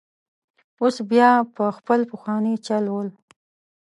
اوس بیا په خپل پخواني چل ول.